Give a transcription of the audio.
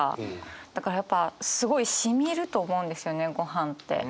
だからやっぱすごいしみると思うんですよねごはんって。